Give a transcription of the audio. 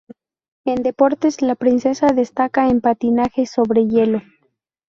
En deportes, la princesa destaca en patinaje sobre hielo.